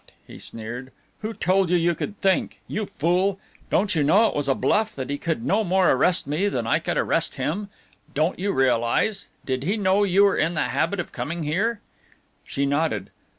he sneered. "Who told you you could think? You fool! Don't you know it was a bluff, that he could no more arrest me than I could arrest him? Don't you realize did he know you were in the habit of coming here?" She nodded.